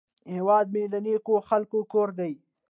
هیواد مې د نیکو خلکو کور دی